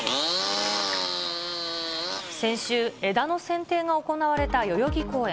先週、枝のせん定が行われた代々木公園。